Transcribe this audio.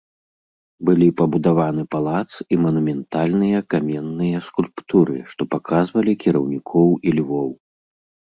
Былі пабудаваны палац і манументальныя каменныя скульптуры, што паказвалі кіраўнікоў і львоў.